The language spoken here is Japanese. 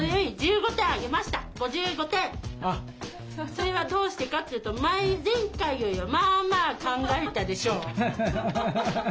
それは、どうしてかって言うと前回よりまあまあ考えたでしょう。